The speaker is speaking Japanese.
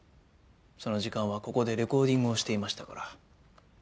その時間はここでレコーディングをしていましたから。